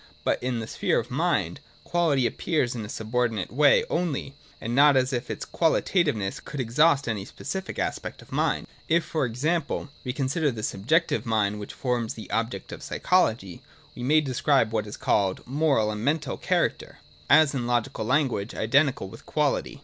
But in the sphere of mind, Quality appears in a subordinate way only, and not as if its qualitativeness could exhaust any specific aspect of mind. If, for example, we consider the subjective mind, which forms the object of psychology, we may describe what is called (moral and mental) character, as in logical language identical with Quality.